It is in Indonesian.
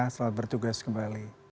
selamat bertugas kembali